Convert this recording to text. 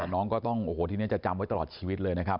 น้องก็ต้องโอ้โหทีนี้จะจำไว้ตลอดชีวิตเลยนะครับ